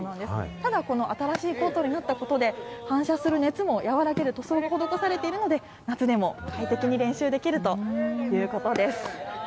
ただこの新しいコートになったことで、反射する熱を和らげる塗装が施されているので、夏でも快適に練習できるということです。